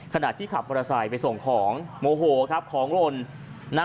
ขณะที่ขับมอเตอร์ไซค์ไปส่งของโมโหครับของหล่น